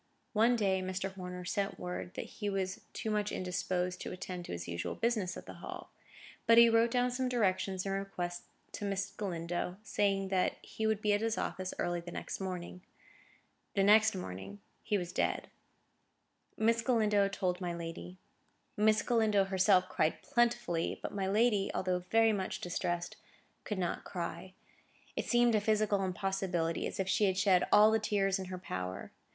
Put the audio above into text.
One day, Mr. Horner sent word that he was too much indisposed to attend to his usual business at the Hall; but he wrote down some directions and requests to Miss Galindo, saying that he would be at his office early the next morning. The next morning he was dead. Miss Galindo told my lady. Miss Galindo herself cried plentifully, but my lady, although very much distressed, could not cry. It seemed a physical impossibility, as if she had shed all the tears in her power.